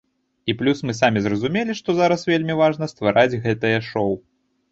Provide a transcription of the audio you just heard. І плюс мы самі зразумелі, што зараз вельмі важна ствараць гэтае шоў.